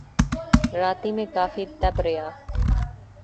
راتی میں کافی تپ رہیا